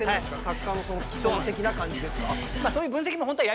「サッカーの園」的な感じですか？